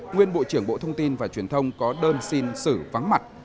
nguyên bộ trưởng bộ thông tin và truyền thông có đơn xin xử vắng mặt